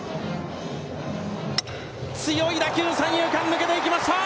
強い打球、三遊間抜けていきました！